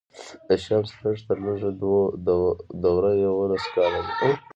د شمسي لږ تر لږه دوره یوولس کاله ده.